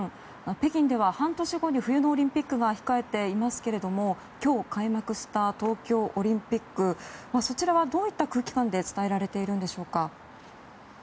北京では半年後に冬のオリンピックが控えていますが今日、開幕した東京オリンピックそちらはどういった空気感で伝えられているのでしょうか。